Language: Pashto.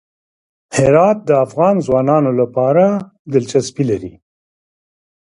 هرات د افغان ځوانانو لپاره دلچسپي لري.